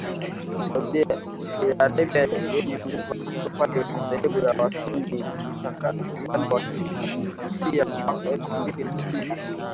Saudi Arabia yenye nguvu katika upande madhehebu ya wasunni, ilikata uhusiano wa kidiplomasia mwaka elfu mbili na kumi na sita